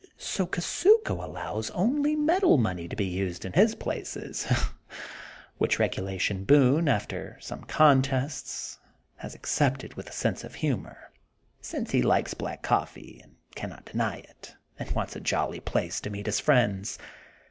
So Kusuko allows only metal money to be used in his places, which regulation Boone, after some contests, has accepted with a sense of humor, since he likes black coffee and cannot deny it and wants a jolly place to meet his friends.